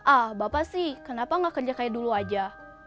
ah bapak sih kenapa gak kerja kaya dulu aja